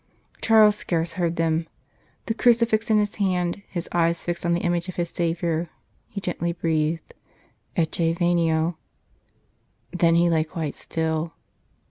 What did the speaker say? Charles scarce heard them ; the crucifix in his hands, his eyes fixed on the image of his Saviour, he gently breathed, " Ecce venio." Then he lay quite still.